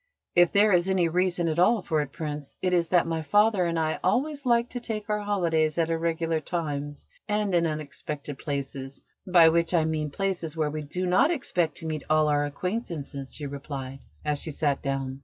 "If there is any reason at all for it, Prince, it is that my father and I always like to take our holidays at irregular times and in unexpected places: by which, I mean places where we do not expect to meet all our acquaintances," she replied, as she sat down.